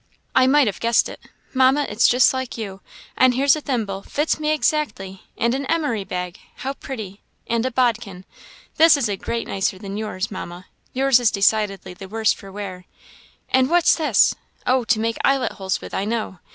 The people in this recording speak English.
"I might have guessed it, Mamma, it's just like you. And here's a thimble fits me exactly! and an emery bag! how pretty! and a bodkin! this is a great nicer than yours, Mamma yours is decidedly the worse for wear; and what's this? oh, to make eyelet holes with, I know.